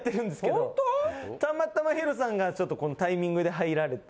たまたまＨＩＲＯさんがちょっとこのタイミングで入られて。